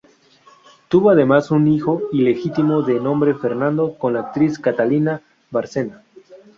Tuvo además un hijo ilegítimo, de nombre Fernando, con la actriz Catalina Bárcena.